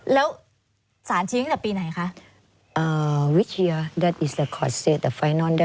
แล้วสารชี้ตั้งแต่ปีไหนคะ